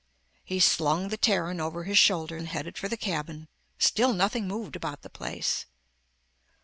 He slung the Terran over his shoulder and headed for the cabin. Still nothing moved about the place.